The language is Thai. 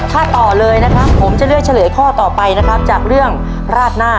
ถ้าต่อเลยนะผมจะเรียกชัยเลข้อต่อไปครับจากเรื่องราดหน้า